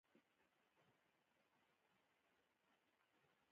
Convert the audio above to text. همدا مې هر څه دى.